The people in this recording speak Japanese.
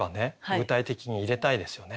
具体的に入れたいですよね。